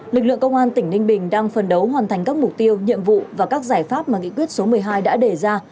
lực lượng công an tỉnh ninh bình đang phần đấu hoàn thành các mục tiêu nhiệm vụ và các giải pháp mà nghị quyết số một mươi hai đã đề ra